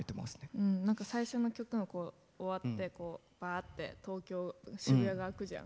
最初の曲が終わってばーって東京・渋谷が開くじゃん。